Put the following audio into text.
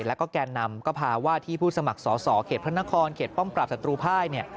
แล้วก็แกนนำก็พาว่าที่ผู้สมัครสอสอเขตพระนครเขตป้อมปราบศัตรูภายเนี่ย